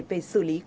về xử lý giao thông